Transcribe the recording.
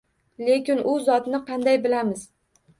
Lekin u zotni qanday bilamiz?